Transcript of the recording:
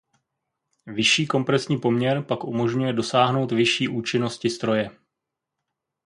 Vyšší kompresní poměr pak umožňuje dosáhnout vyšší účinnosti stroje.